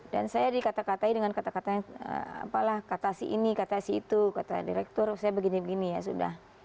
dan saya dikatakan dengan kata kata kata si ini kata si itu kata direktur saya begini begini ya sudah